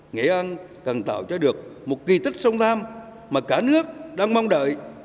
nghệ an cần tạo cho được một kỳ tích song tham mà cả nước đang mong đợi